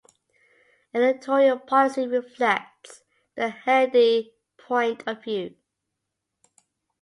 Editorial policy reflects the Haredi point of view.